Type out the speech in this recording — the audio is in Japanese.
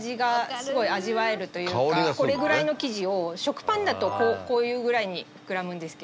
これぐらいの生地を食パンだとこういうぐらいに膨らむんですけど